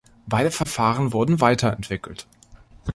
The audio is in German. Beide Verfahren wurden weiterentwickelt.